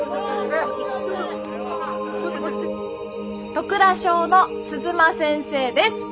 戸倉小の鈴間先生です！